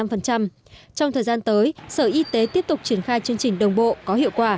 trong thời gian tới sở y tế tiếp tục triển khai chương trình đồng bộ có hiệu quả